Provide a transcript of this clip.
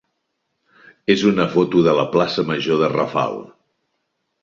és una foto de la plaça major de Rafal.